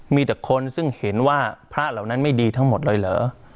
มีแต่คนซึ่งเห็นว่าพระเหล่านั้นไม่ดีทั้งหมดเลยเหรอ